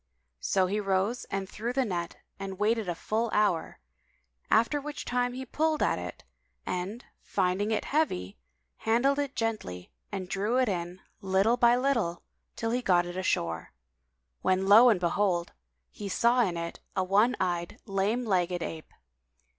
So he rose and threw the net and waited a full hour, after which time he pulled at it and, finding it heavy, handled it gently and drew it in, little by little, till he got it ashore, when lo and behold! he saw in it a one eyed, lame legged ape.